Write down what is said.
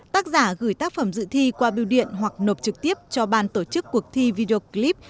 tác giả gửi tác phẩm dự thi qua biêu điện hoặc nộp trực tiếp cho ban tổ chức cuộc thi video clip